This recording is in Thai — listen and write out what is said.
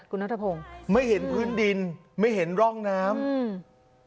คุณนัทพงศ์ไม่เห็นพื้นดินไม่เห็นร่องน้ำอืม